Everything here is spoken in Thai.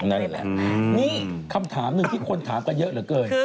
นั่นแหละนี่คำถามหนึ่งที่คนถามกันเยอะเหลือเกิน